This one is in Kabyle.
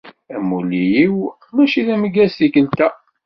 Amuli-w mačči d ameggaz tikelt-a.